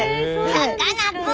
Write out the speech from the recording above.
さかなクン！